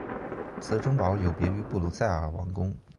此城堡有别于布鲁塞尔王宫。